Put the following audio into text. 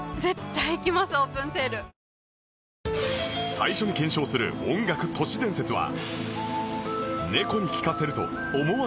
最初に検証する音楽都市伝説は